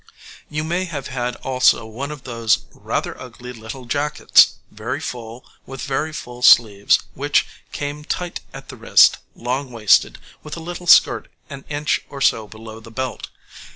You may have had also one of those rather ugly little jackets, very full, with very full sleeves which came tight at the wrist, long waisted, with a little skirt an inch or so below the belt.